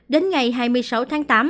đến ngày hai mươi sáu tháng tám